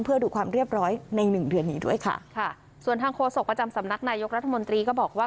เพื่อดูความเรียบร้อยในหนึ่งเดือนนี้ด้วยค่ะค่ะส่วนทางโฆษกประจำสำนักนายกรัฐมนตรีก็บอกว่า